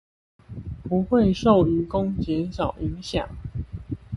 不會受漁工減少影響